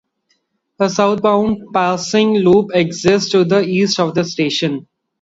A southbound passing loop exists to the east of the station.